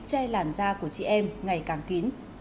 che làn da của chị em ngày càng kín